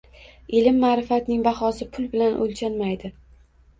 Ilm-maʼrifatning bahosi pul bilan oʻlchanmaydi